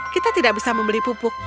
kita tidak bisa membeli pupuk